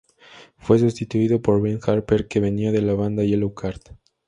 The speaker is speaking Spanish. Fue sustituido por Ben Harper, que venía de la banda Yellowcard.